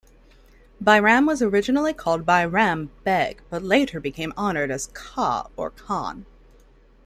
Bairam was originally called Bairam "Beg" but later became honored as 'Kha' or Khan.